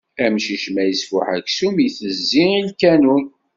Amcic ma isfuḥ aksum, itezzi i lkanun.